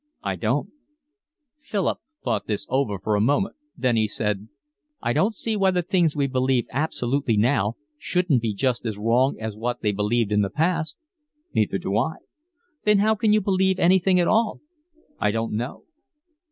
"I don't." Philip thought this over for a moment, then he said: "I don't see why the things we believe absolutely now shouldn't be just as wrong as what they believed in the past." "Neither do I." "Then how can you believe anything at all?" "I don't know."